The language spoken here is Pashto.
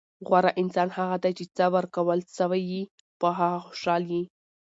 غوره انسان هغه دئ، چي څه ورکول سوي يي؛ په هغه خوشحال يي.